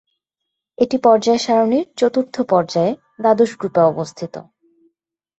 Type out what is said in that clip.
এটি পর্যায় সারণীর চতুর্থ পর্যায়ে, দ্বাদশ গ্রুপে অবস্থিত।